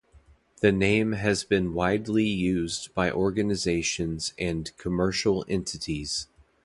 The name has been widely used by organisations and commercial entities.